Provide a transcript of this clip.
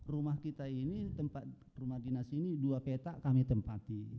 rumah kita ini tempat rumah dinas ini dua petak kami tempati